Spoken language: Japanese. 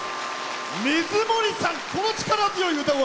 水森さん、この力強い歌声！